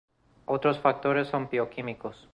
Otros factores son los bioquímicos.